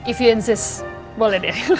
jika kamu berusaha boleh deh